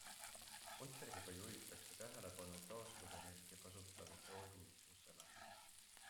Kontserdiga juhitakse tähelepanu taastuvenergia kasutamise olulisusele.